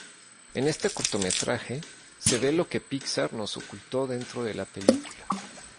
En este cortometraje, se ve lo que Pixar nos ocultó dentro de la película.